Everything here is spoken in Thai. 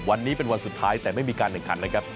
วันนี้เป็นวันสุดท้ายแต่ไม่มีการแข่งขันนะครับ